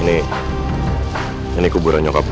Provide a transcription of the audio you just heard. ini ini kuburan nyokap lu